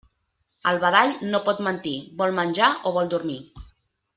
El badall no pot mentir: vol menjar o vol dormir.